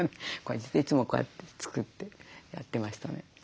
いつもこうやって作ってやってましたね。